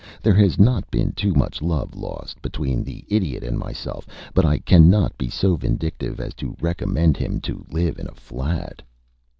There has not been too much love lost between the Idiot and myself, but I cannot be so vindictive as to recommend him to live in a flat."